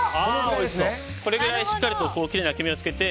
これぐらいしっかりきれいに焼き目を付けて。